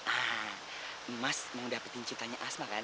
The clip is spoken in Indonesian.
ah mas mau dapetin citanya asma kan